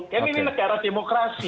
kan ini negara demokrasi